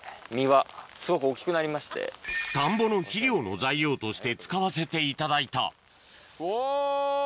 田んぼの肥料の材料として使わせていただいたおぉ！